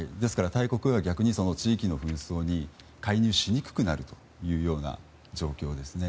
大国側は逆に地域の紛争に介入しにくくなるという状況ですね。